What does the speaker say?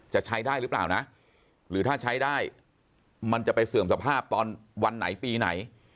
จะใช้ได้หรือเปล่านะหรือถ้าใช้ได้มันจะไปเสื่อมสภาพตอนวันไหนปีไหน